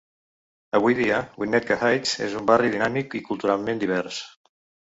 Avui dia, Winnetka Heights és un barri dinàmic i culturalment divers.